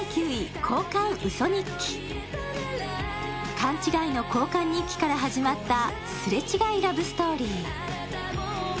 勘違いの交換日記から始まったすれ違いラブストーリー。